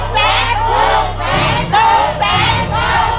หนูแสน